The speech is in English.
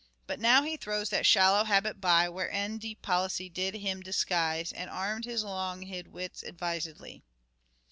But now he throws that shallow habit by, Wherein deep policy did him disguise ; And arm'd his long hid wits advisedly."